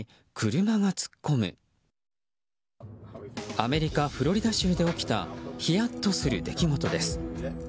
アメリカ・フロリダ州で起きたヒヤッとする出来事です。